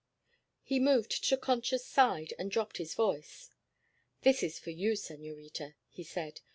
He moved to Concha's side and dropped his voice. "This is for you, senorita," he said.